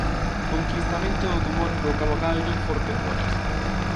O enquistamento do tumor provocáballe fortes dores.